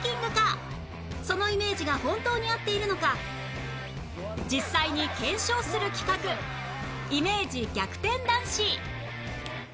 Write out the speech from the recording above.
そのイメージが本当に合っているのか実際に検証する企画イメージ逆転男子